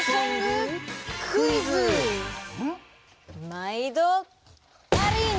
まいどアリーナ！